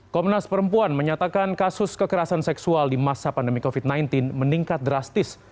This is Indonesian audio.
komnas perempuan menyatakan kasus kekerasan seksual di masa pandemi covid sembilan belas meningkat drastis